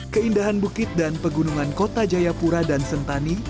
keindahan bukit dan pegunungan kota jayapura dan sentani